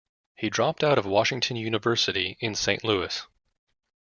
He dropped out of Washington University in Saint Louis.